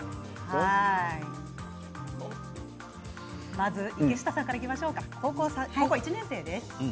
まず池下さんからいきましょうか、高校１年生です。